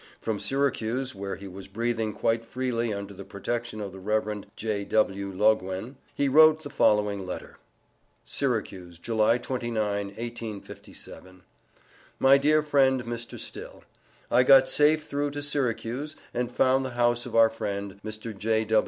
From Syracuse, where he was breathing quite freely under the protection of the Rev. J.W. Loguen, he wrote the following letter: SYRACUSE, July 29, 1857. MY DEAR FRIEND, MR. STILL: I got safe through to Syracuse, and found the house of our friend, Mr. J.